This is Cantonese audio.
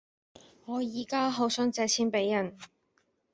我依家好想借錢俾人